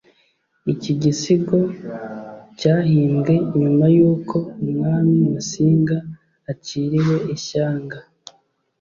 iki gisigo, cyahimbwe nyuma y’uko umwami musinga aciriwe ishyanga.